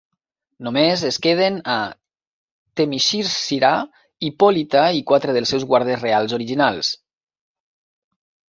Només es queden a Themyscira Hippolyta i quatre dels seus guardes reals originals.